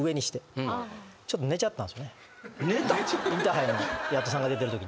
インターハイにヤットさんが出てるときに。